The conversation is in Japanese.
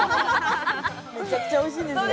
めちゃくちゃおいしいんですね